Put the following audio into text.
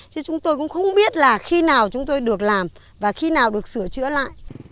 chứ chúng tôi cũng không biết là khi nào chúng tôi được làm và khi nào được sửa chữa lại